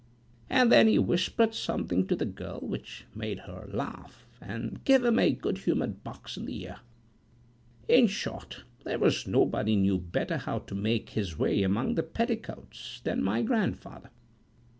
"And then he whispered something to the girl which made her laugh, and give him a good humored box on the ear. In short, there was nobody knew better how to make his way among the petticoats than my grandfather.